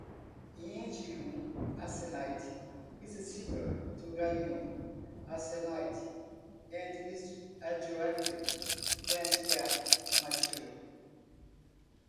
Indium arsenide is similar to gallium arsenide and is a direct bandgap material.